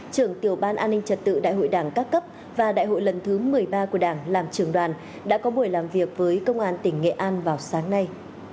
trưởng tiểu ban an ninh trật tự đại hội đảng các cấp và đại hội lần thứ một mươi ba của đảng làm trường đoàn đã có buổi làm việc với công an tỉnh nghệ an vào sáng nay